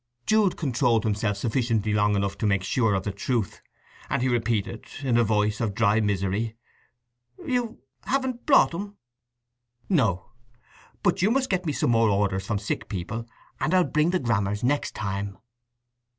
Jude controlled himself sufficiently long to make sure of the truth; and he repeated, in a voice of dry misery, "You haven't brought 'em!" "No. But you must get me some more orders from sick people, and I'll bring the grammars next time."